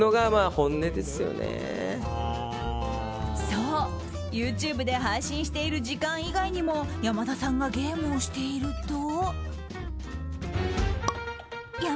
そう、ＹｏｕＴｕｂｅで配信している時間以外にも山田さんがゲームをしていると。